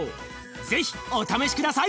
是非お試し下さい！